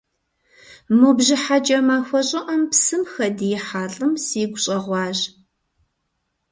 Мо бжьыхьэкӏэ махуэ щӏыӏэм псым хэдиихьа лӏым сигу щӏэгъуащ.